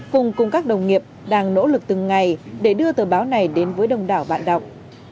cùng các đồng nghiệp đang nỗ lực từng ngày để đưa tờ báo này đến với đồng đảo bạn đọc